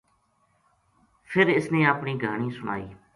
فِر اِس نے اپنی گھانی سنا ئی